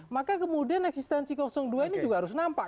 maka kemudian eksistensi dua ini juga harus nampak